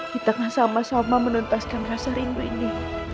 kita sama sama menuntaskan rasa rindu ini